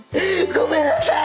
ごめんなさい！